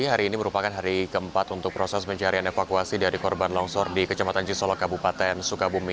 hari ini merupakan hari keempat untuk proses pencarian evakuasi dari korban longsor di kecamatan cisolok kabupaten sukabumi